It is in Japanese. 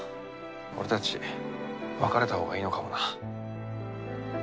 俺たち別れたほうがいいのかもな。